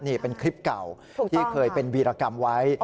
นี่เป็นคลิปเก่าที่เคยเป็นวีรกรรมไว้